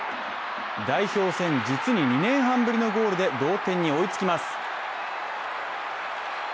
代表戦、実に２年半ぶりのゴールで同点に追いつきます。